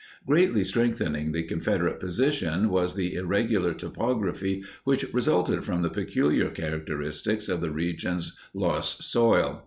Greatly strengthening the Confederate position was the irregular topography which resulted from the peculiar characteristics of the region's loess soil.